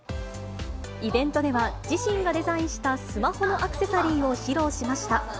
イベントでは自身がデザインしたスマホのアクセサリーを披露しました。